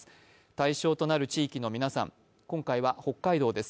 対象となる地域の皆さん、今回は北海道です。